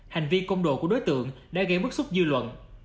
hành vi công đồ của đối tượng đã gây bức xúc dữ luận